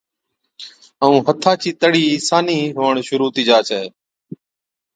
ائُون هٿا چِي تڙِي سانهِي هُوَڻ شرُوع هُتِي جا ڇَي۔